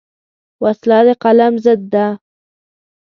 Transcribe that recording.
وسله د قلم ضد ده